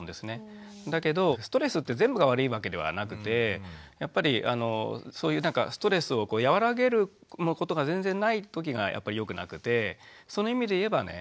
だけどストレスって全部が悪いわけではなくてやっぱりそういうストレスを和らげることが全然ない時がやっぱりよくなくてその意味で言えばね